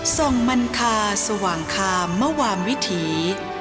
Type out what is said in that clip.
ส่งมันคาสว่างคามมวามวิถี